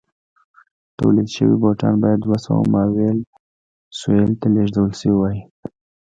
تولید شوي بوټان باید دوه سوه مایل سویل ته لېږدول شوي وای.